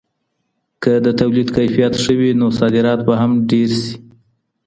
که د توليد کيفيت ښه وي نو صادرات به هم ډير سي.